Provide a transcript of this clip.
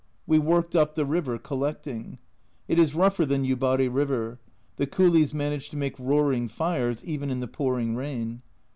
We worked up the river collecting. It is rougher than Yubari river. The coolies manage to make roaring fires even in the pouring rain.